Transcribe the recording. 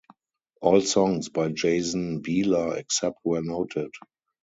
All songs by Jason Bieler except where noted.